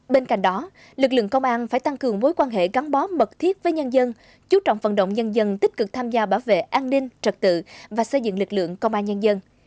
bên cạnh đó lực lượng công an phải tăng cường mối quan hệ gắn bó mật thiết với nhân dân chú trọng phần động nhân dân tích cực tham gia bảo vệ an ninh trật tự và xây dựng lực lượng công an nhân dân